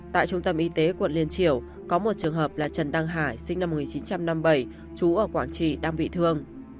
tại trung tâm y tế quận liên triều có một trường hợp là trần đăng hải sinh năm một nghìn chín trăm năm mươi bảy chú ở quảng trị đang bị thương